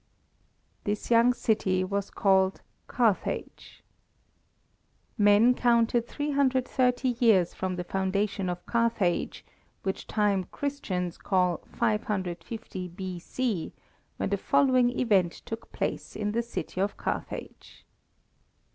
This young city was called Carthage. Men counted 330 years from the foundation of Carthage, which time Christians call 550 B.C., when the following event took place in the city of Carthage.